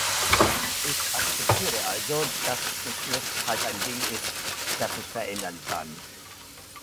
Ich akzeptierte also, dass Geschlecht halt ein Ding ist, das sich verändern kann.